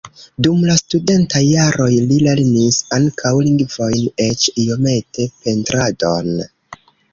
Dum la studentaj jaroj li lernis ankaŭ lingvojn, eĉ iomete pentradon.